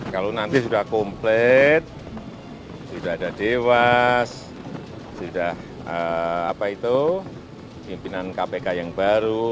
kalau nanti sudah komplit sudah ada dewas sudah apa itu pimpinan kpk yang baru